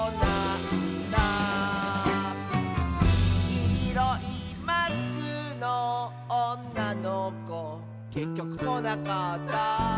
「きいろいマスクのおんなのこ」「けっきょくこなかった」